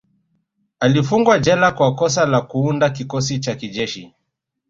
Alifungwa jela kwa kosa la Kuunda kikosi cha kijeshi